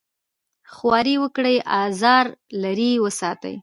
خواري وکړي ازاره لرې وساتي.